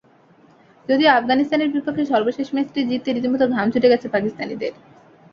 যদিও আফগানিস্তানের বিপক্ষে সর্বশেষ ম্যাচটি জিততে রীতিমতো ঘাম ছুটে গেছে পাকিস্তানিদের।